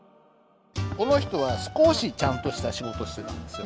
この人は少しちゃんとした仕事をしてたんですよ。